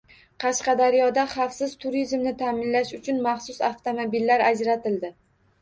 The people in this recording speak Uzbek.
Qashqadaryoda xavfsiz turizmni taʼminlash uchun maxsus avtomobillar ajratildi